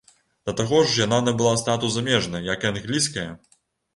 Да таго ж яна набыла статус замежнай, як і англійская.